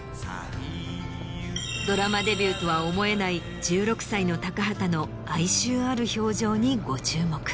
ドラマデビューとは思えない１６歳の高畑の哀愁ある表情にご注目。